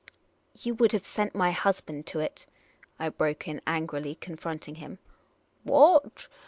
''" You would have sent my husband to it," I broke in, angrily, confronting him. " What